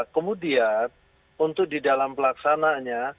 kemudian untuk di dalam pelaksananya